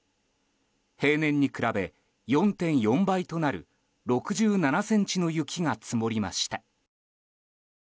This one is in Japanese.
平年に比べ４．４倍となる６７ｃｍの雪が積もりました。